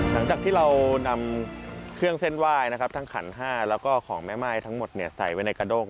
หลังจากที่เรานำเครื่องเส้นไหว้นะครับทั้งขันห้าแล้วก็ของแม่ม่ายทั้งหมดใส่ไว้ในกระด้ง